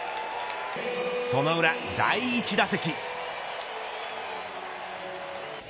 その裏、第１打席。